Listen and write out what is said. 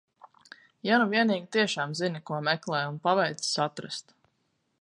Ja nu vienīgi tiešām zini ko meklē un paveicas atrast.